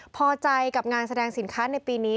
พอใจกับงานแสดงสินค้าในปีนี้